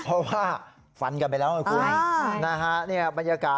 เพราะว่าฟันกันไปแล้วด้วยคุณ